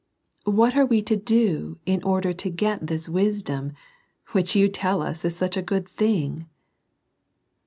What are we to do in order to get this wisdom, which you tell us is such a good thing